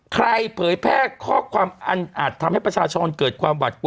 เผยแพร่ข้อความอันอาจทำให้ประชาชนเกิดความหวัดกลัว